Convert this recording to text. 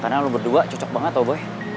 karena lo berdua cocok banget loh boy